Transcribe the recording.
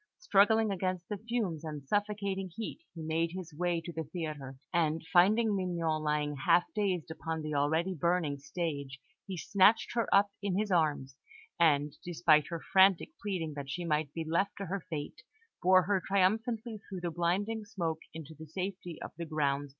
Struggling against the fumes and suffocating heat, he made his way to the theatre, and finding Mignon lying half dazed upon the already burning stage, he snatched her up in his arms, and, despite her frantic pleading that she might be left to her fate, bore her triumphantly through the blinding smoke into the safety of the grounds beyond.